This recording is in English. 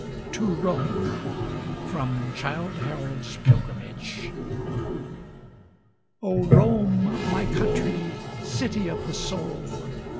TO ROME From 'Childe Harold's Pilgrimage' O Rome! my country! city of the soul!